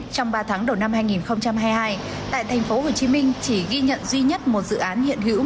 trong ba tháng đầu năm hai nghìn hai mươi hai tại tp hcm chỉ ghi nhận duy nhất một dự án hiện hữu